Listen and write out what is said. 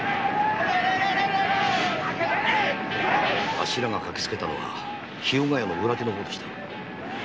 あっしらが駆けつけたのは日向屋の裏手の方でした。